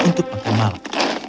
untuk makan malam